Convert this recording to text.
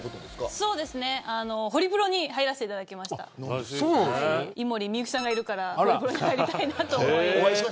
そうですね、ホリプロに入らせていただきました井森美幸さんがいるからホリプロに入りたいなと思い。